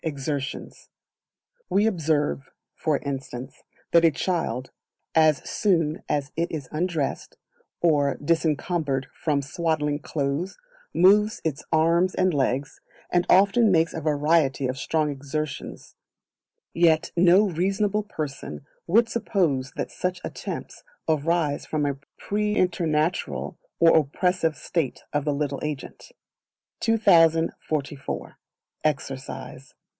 Exertions. We observe, for instance, that a child, as soon as it is undressed, or disencumbered from swaddling clothes, moves its arms and legs, and often makes a variety of strong exertions; yet no reasonable person would suppose that such attempts arise from a preternatural or oppressive state of the little agent. 2044. Exercise.